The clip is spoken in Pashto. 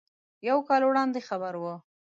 یو کال وړاندې خبر و.